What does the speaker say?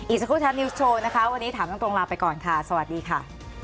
สักครู่แท็บนิวส์โชว์นะคะวันนี้ถามตรงลาไปก่อนค่ะสวัสดีค่ะ